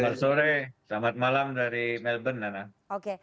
selamat sore selamat malam dari melbourne